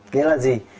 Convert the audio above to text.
thế là gì